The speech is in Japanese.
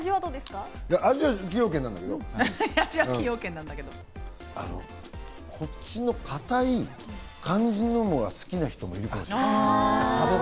味は崎陽軒なんだけど、こっちの硬い感じのも好きな人がいるかもしれない。